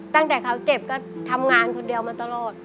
ตั้งแต่เขาเจ็บก็ทำงานคนเดียวมาตลอด